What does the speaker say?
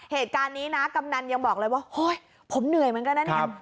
เหตุการณ์นี้นะกำนันยังบอกเลยว่าเฮ้ยผมเหนื่อยเหมือนกันนะเนี่ย